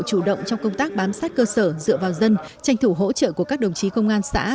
chủ động trong công tác bám sát cơ sở dựa vào dân tranh thủ hỗ trợ của các đồng chí công an xã